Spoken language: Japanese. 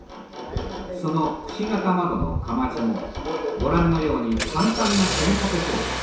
その形窓のかまちもご覧のように簡単な組み立て方式。